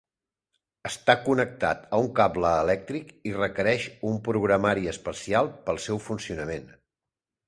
Està connectat a un cable elèctric i requereix un programari especial per al seu funcionament.